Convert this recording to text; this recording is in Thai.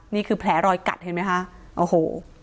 นี่คือแผลรอยกัดเห็นไหมคะโอ้โห